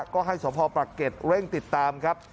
ก็ให้สพปรักเก็ตเร่งติดตามครับ